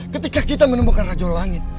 ketika kita menemukan rajau langit